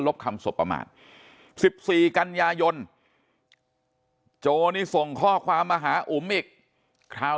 บคำศพประมาณ๑๔กันยายนโจนี่ส่งข้อความมาหาอุ๋มอีกคราว